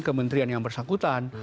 kementerian yang bersangkutan